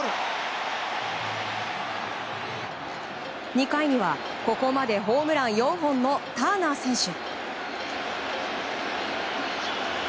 ２回には、ここまでホームラン４本のターナー選手。